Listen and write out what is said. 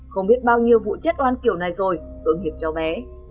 không biết bao nhiêu vụ chết oan kiểu này rồi tương hiệp cho bé